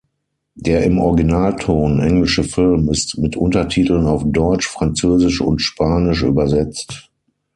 Der im Originalton englische Film ist mit Untertiteln auf Deutsch, Französisch und Spanisch übersetzt.